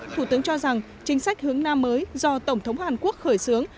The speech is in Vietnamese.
thủ tướng cho rằng chính sách hướng nam mới do tổng thống hàn quốc khởi xướng